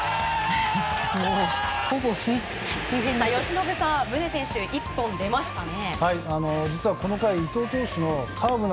由伸さん、宗選手一本出ましたね。